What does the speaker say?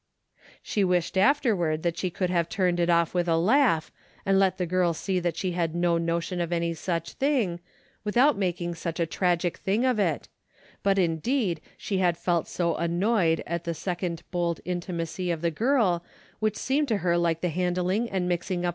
She wished afterward that she could have turned it off with a laugh, and let the girl see that she had no notion of any such thing, without making such a tragic thing of it, but indeed she had felt so annoyed at the second bold intimacy of the girl, which seemed to her like the handling and mixing up